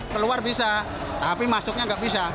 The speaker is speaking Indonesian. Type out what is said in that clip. keluar bisa tapi masuknya nggak bisa